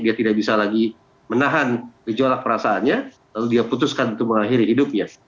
dia tidak bisa lagi menahan gejolak perasaannya lalu dia putuskan untuk mengakhiri hidupnya